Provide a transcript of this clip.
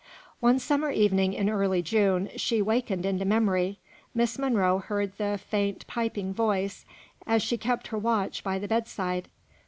One summer evening in early June she wakened into memory, Miss Monro heard the faint piping voice, as she kept her watch by the bedside.